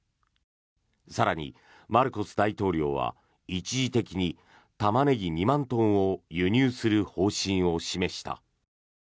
更に、マルコス大統領は一時的にタマネギ２万トンを輸入する方針を示した。